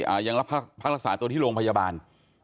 อ่ายังพักรักกับชาติโรงพยาบาล